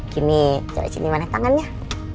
gini cewek sini mana tangannya